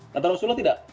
kata rasulullah tidak